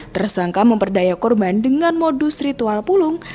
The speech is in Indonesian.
tersangka memperdaya korban dengan modus ritual pulung